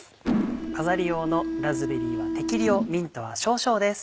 飾り用のラズベリーは適量ミントは少々です。